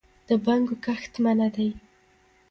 د بنګو کښت منع دی